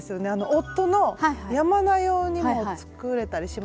夫の山名用にも作れたりします？